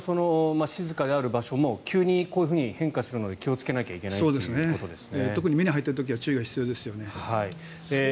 静かである場所も急にこういうふうに変化するので気をつけなきゃいけないということですね。